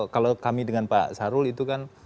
kalau kami dengan pak sarul itu kan